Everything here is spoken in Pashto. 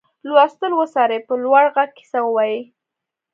لوستل وڅاري په لوړ غږ کیسه ووايي.